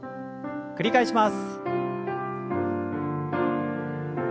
繰り返します。